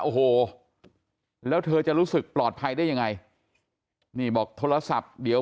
โอ้โหแล้วเธอจะรู้สึกปลอดภัยได้ยังไงนี่บอกโทรศัพท์เดี๋ยว